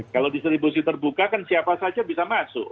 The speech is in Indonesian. kalau distribusi terbuka kan siapa saja bisa masuk